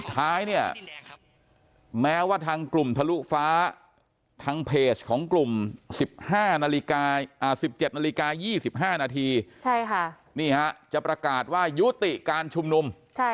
การนาฬิกา๑๗นาฬิกา๒๕นาทีจะประกาศว่ายุติการชุมนุม